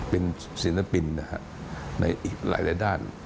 เป็นศิลปินในหลายด้าน